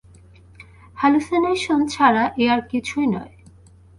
Hallucination ছাড়া এ আর কিছুই নয়।